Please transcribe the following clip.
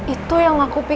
itu yang aku pikirin